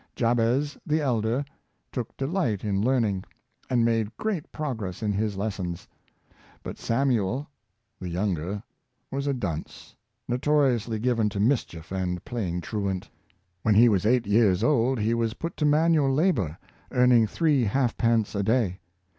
Jabez, the elder, took delight in learning, and made great progress in his lessons; but Samuel, the younger, was a dunce, notoriously given to mischief and playing truant. When he was eight years old he was put to manual labor, earning three halfpence a day.